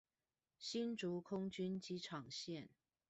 新竹空軍機場線